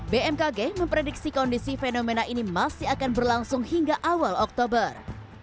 bmkg memprediksi kondisi fenomena ini masih akan berlangsung hingga awal oktober